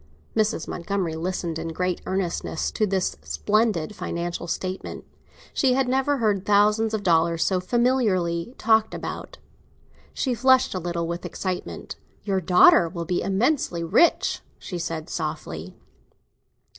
Mrs. Montgomery listened in great earnestness to this splendid financial statement; she had never heard thousands of dollars so familiarly talked about. She flushed a little with excitement. "Your daughter will be immensely rich," she said softly.